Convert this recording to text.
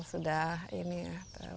sudah ini ya